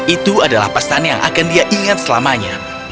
itu adalah pesan yang akan dia ingat selamanya